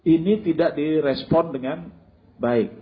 ini tidak di respon dengan baik